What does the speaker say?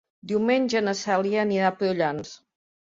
Diumenge na Cèlia anirà a Prullans.